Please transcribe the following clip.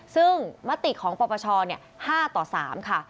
ซึ่งมติของปปช๕ต่อ๓ค่ะ